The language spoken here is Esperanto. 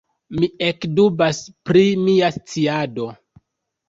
Mi ekdubas pri mia sciado.